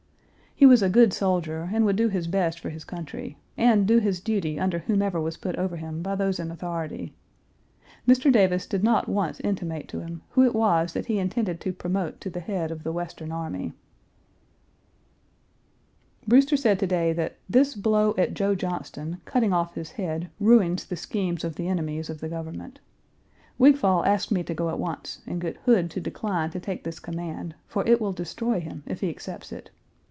He was a good soldier, and would do his best for his country, and do his duty under whomever was put over him by those in authority. Mr. Davis did not once intimate to him who it was that he intended to promote to the head of the Western Army. Brewster said to day that this "blow at Joe Johnston, cutting off his head, ruins the schemes of the enemies of the government. Wigfall asked me to go at once, and get Hood to decline to take this command, for it will destroy him if he accepts it.